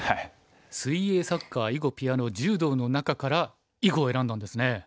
水泳サッカー囲碁ピアノ柔道の中から囲碁を選んだんですね。